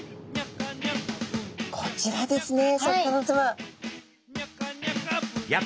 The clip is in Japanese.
こちらですね。